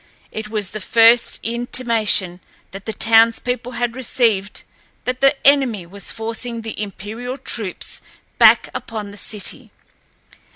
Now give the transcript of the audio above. It was the first intimation that the townspeople had received that the enemy was forcing the imperial troops back upon the city.